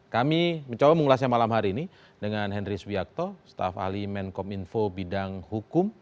kami mencoba mengulasnya malam hari ini dengan henry swiakto staf ahli menkom info bidang hukum